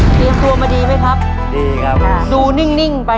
เพื่อชิงทุนต่อชีวิตสูงสุด๑ล้านบาท